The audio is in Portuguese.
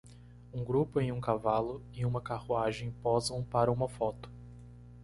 Um grupo em um cavalo e uma carruagem posam para uma foto.